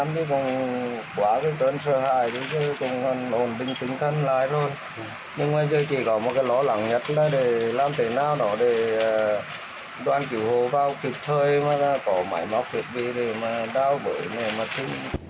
điều này để làm thế nào đó để đoàn cứu hộ vào kịp thời mà có máy móc thiệt bị để mà đau bởi này mà chứ